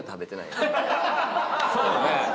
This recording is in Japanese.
そうね。